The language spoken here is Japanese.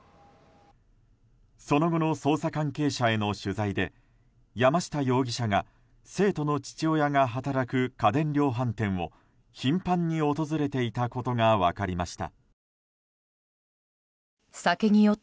その後の捜査関係者への取材で山下容疑者が生徒の父親が働く家電量販店を頻繁に訪れていたことが分かりました。